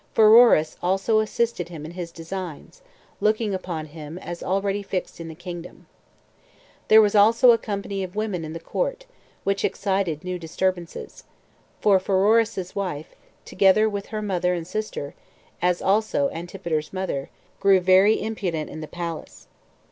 Pheroras also assisted him in his designs, looking upon him as already fixed in the kingdom. There was also a company of women in the court, which excited new disturbances; for Pheroras's wife, together with her mother and sister, as also Antipater's mother, grew very impudent in the palace.